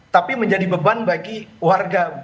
tapi menjadi beban bagi warga